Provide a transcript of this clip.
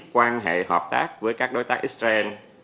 quan hệ hợp tác với các đối tác israel